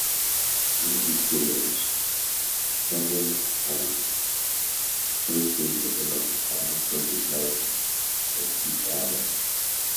During this period Vergennes and Choiseul developed a mutual dislike of each other.